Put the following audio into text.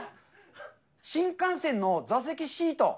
新幹線の座席シート。